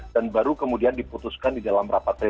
dan baru kemudian diputuskan di dalam rapat